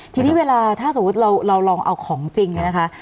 ทีนี้เวลาถ้าสมมุติเราลองเอาของจริงเนี่ยนะคะ